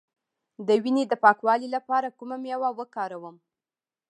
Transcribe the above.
د وینې د پاکوالي لپاره کومه میوه وکاروم؟